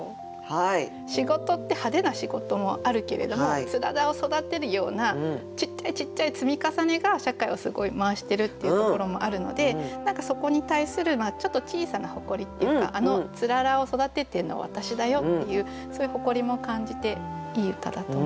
仕事って派手な仕事もあるけれどもつららを育てるようなちっちゃいちっちゃい積み重ねが社会をすごい回してるっていうところもあるので何かそこに対するちょっと小さな誇りっていうか「あのつららを育ててんのは私だよ」っていうそういう誇りも感じていい歌だと思います。